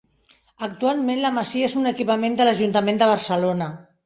Actualment la masia és un equipament de l'Ajuntament de Barcelona.